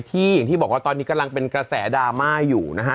อย่างที่บอกว่าตอนนี้กำลังเป็นกระแสดราม่าอยู่นะฮะ